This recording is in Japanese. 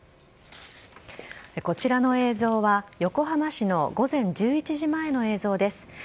こちらの映像は横浜市の午前１１時前の映像です。